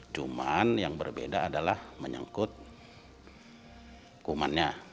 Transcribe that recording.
cuman yang berbeda adalah menyangkut kumannya